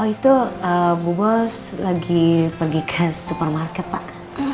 itu bu bos lagi pergi ke supermarket pak